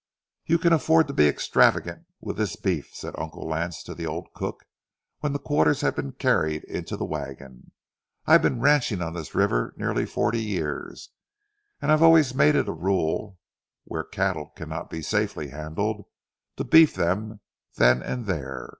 "You can afford to be extravagant with this beef," said Uncle Lance to the old cook, when the quarters had been carried in to the wagon. "I've been ranching on this river nearly forty years, and I've always made it a rule, where cattle cannot be safely handled, to beef them then and there.